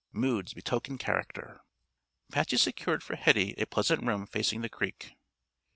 Moods betoken character." Patsy secured for Hetty a pleasant room facing the creek.